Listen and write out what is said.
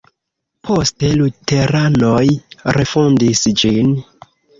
Poste luteranoj refondis ĝin.